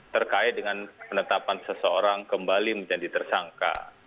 terkait dengan penetapan seseorang kembali menjadi tersangka